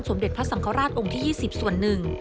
สมเด็จพระสังฆราชองค์ที่๒๐ส่วน๑